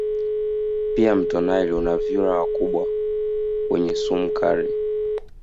Pia mto naili una vyura wakubwa wenye sumu kali